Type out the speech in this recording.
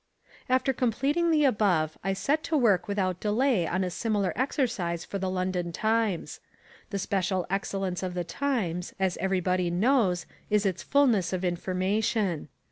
After completing the above I set to work without delay on a similar exercise for the London Times. The special excellence of the Times, as everybody knows is its fulness of information.